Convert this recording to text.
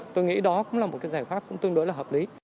tôi nghĩ đó cũng là một giải pháp tương đối hợp lý